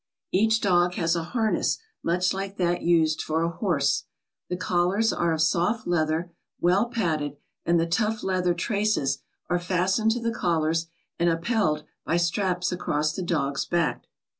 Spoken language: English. Each dog has a harness much like that used for a horse. The collars are of soft leather, well padded, and the tough leather traces are fastened to the collars and upheld by straps across the dog's back.